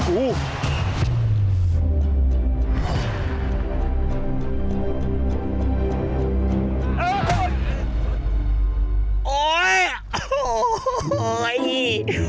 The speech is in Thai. หรือใครกำลังร้อนเงิน